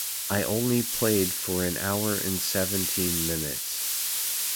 I only played for an hour and seventeen minutes.